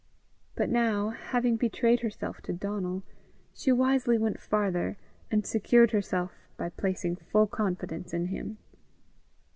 But now, having betrayed herself to Donal, she wisely went farther, and secured herself by placing full confidence in him.